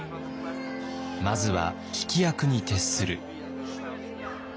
まずは聞き役に徹する。